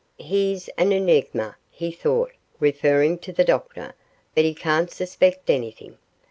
'He's an enigma,' he thought, referring to the doctor; 'but he can't suspect anything.